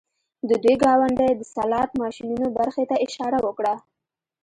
د دوی ګاونډۍ د سلاټ ماشینونو برخې ته اشاره وکړه